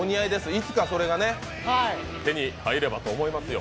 いつかそれが手に入ればと思いますよ。